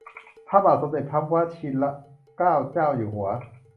พระบาทสมเด็จพระวชิรเกล้าเจ้าอยู่หัว